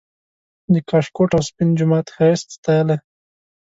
د کاشکوټ او سپین جومات ښایست ستایلی